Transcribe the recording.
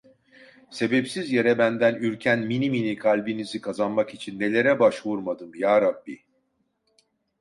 Sebepsiz yere benden ürken minimini kalbinizi kazanmak için nelere başvurmadım Yarabbi?